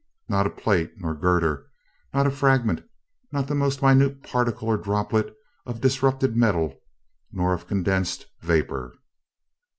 Not a plate nor a girder, not a fragment, not the most minute particle nor droplet of disrupted metal nor of condensed vapor.